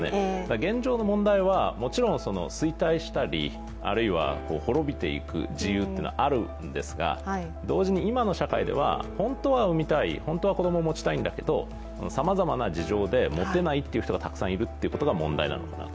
現状の問題は衰退したり滅びていく自由というのはあるんですが同時に今の社会では、本当は産みたい本当は子供を持ちたいんだけれどもさまざまな事情で持てないという人がたくさんいることが問題だと。